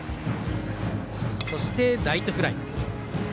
そして、ライトフライ。